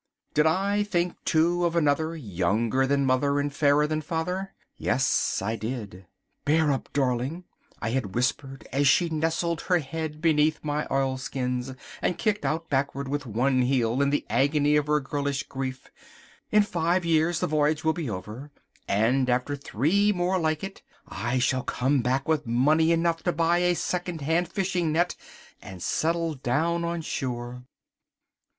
Did I think, too, of another, younger than mother and fairer than father? Yes, I did. "Bear up, darling," I had whispered as she nestled her head beneath my oilskins and kicked out backward with one heel in the agony of her girlish grief, "in five years the voyage will be over, and after three more like it, I shall come back with money enough to buy a second hand fishing net and settle down on shore."